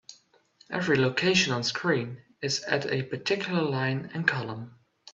Every location onscreen is at a particular line and column.